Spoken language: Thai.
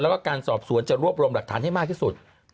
แล้วก็การสอบสวนจะรวบรวมหลักฐานให้มากที่สุด